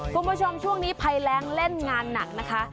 คุณผู้ชมช่วงนี้ภัยแรงเล่นงานหนักนะคะ